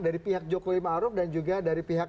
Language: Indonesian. dari pihak jokowi ma'aruf dan juga dari pihak